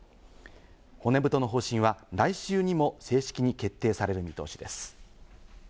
骨太の方針は来週にも正式に決定される見通しです。